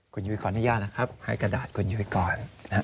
คุณยุ้ยขออนุญาตแล้วครับให้กระดาษคุณยุ้ยก่อน